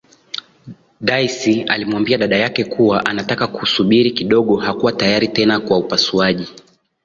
Daisy alimwambia dada yake kuwa anataka kusubiri kidogo hakuwa tayari tena kwa upasuaji